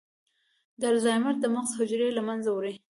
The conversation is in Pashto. د الزایمر د مغز حجرې له منځه وړي.